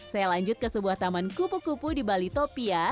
saya lanjut ke sebuah taman kupu kupu di balitopia